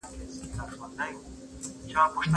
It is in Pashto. مثبتي خبرې د ماشوم په ذهن کي ځای نیسي.